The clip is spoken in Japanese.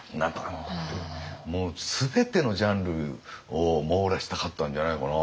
もう全てのジャンルを網羅したかったんじゃないのかな。